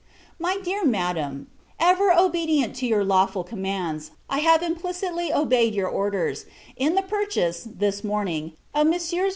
MY DEAR MADAM, Ever obedient to your lawful commands, I have implicitly obeyed your orders, in the purchase, this morning, of Messrs.